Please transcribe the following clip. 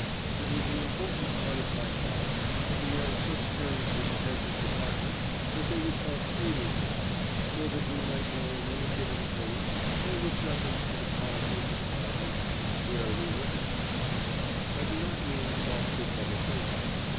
It was an important part of my task to be on such terms with the heads of departments that they would talk freely to us so that we might know in any given case, or with reference to the policy of the department, "where we were at." I do not mean talk for publication.